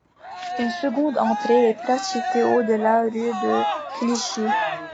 Une seconde entrée est pratiquée au de la rue de Clichy.